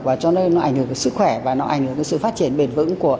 và cho nên nó ảnh hưởng đến sức khỏe và nó ảnh hưởng đến sự phát triển bền vững của